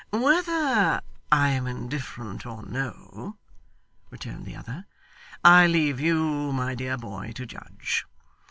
'Whether I am indifferent or no,' returned the other, 'I leave you, my dear boy, to judge.